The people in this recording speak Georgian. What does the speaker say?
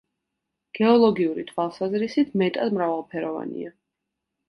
გეოლოგიური თვალსაზრისით მეტად მრავალფეროვანია.